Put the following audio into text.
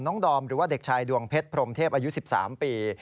ดอมหรือว่าเด็กชายดวงเพชรพรมเทพอายุ๑๓ปี